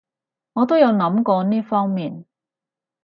我都有諗過呢方面